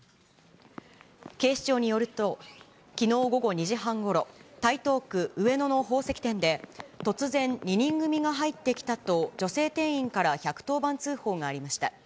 警視庁によると、きのう午後２時半ごろ、台東区上野の宝石店で、突然、２人組が入ってきたと女性店員から１１０番通報がありました。